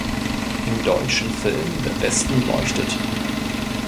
Im deutschen Film "Der Westen leuchtet!